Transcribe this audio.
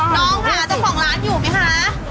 น้องค่ะเจ้าของร้านอยู่ไหมคะ